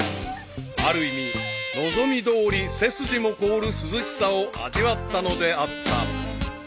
［ある意味望みどおり背筋も凍る涼しさを味わったのであった］